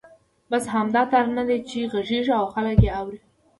بس همدا ترانې دي چې غږېږي او خلک یې اوري.